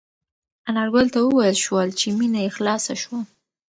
انارګل ته وویل شول چې مېنه یې خلاصه شوه.